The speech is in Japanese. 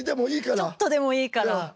ちょっとでもいいから。